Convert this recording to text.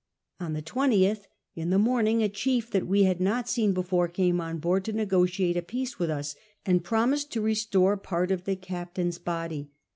On the 20th, in the morning, a chief that we had not seen before came on board, to negotiate a peace with us ; and promised to restore part of the captain's body.